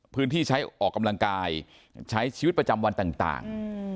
พื้นที่ใช้ออกกำลังกายใช้ชีวิตประจำวันต่าง